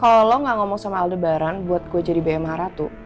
kalo lo gak ngomong sama aldebaran buat gue jadi bayi maharatu